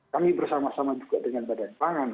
kami bersama sama juga dengan badan pangan